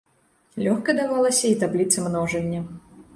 Лёгка давалася і табліца множання.